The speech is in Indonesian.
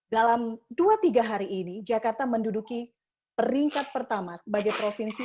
dalam dua tiga hari ini jakarta menduduki peringkat pertama sebagai provinsi